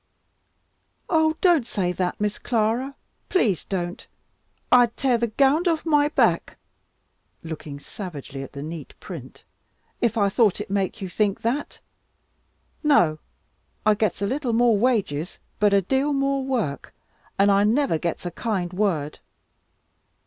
"Oh don't say that, Miss Clara, please don't! I'd tear the gownd off my back" looking savagely at the neat print "if I thought it make you think that. No, I gets a little more wages, but a deal more work, and I never gets a kind word.